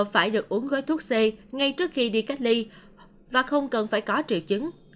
phải được uống gói thuốc c ngay trước khi đi cách ly và không cần phải có triệu chứng